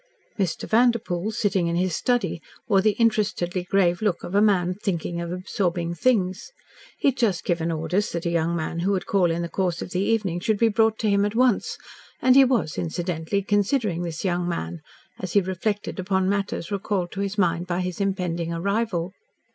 ..... Mr. Vanderpoel, sitting in his study, wore the interestedly grave look of a man thinking of absorbing things. He had just given orders that a young man who would call in the course of the evening should be brought to him at once, and he was incidentally considering this young man, as he reflected upon matters recalled to his mind by his impending arrival.